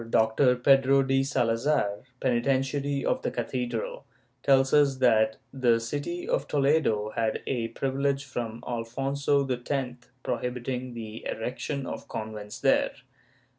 Doctor Pedro de Salazar, penitentiary of the cathedral, tells us that the city of Toledo held a privilege from Alfonso X prohibiting the erection of convents there.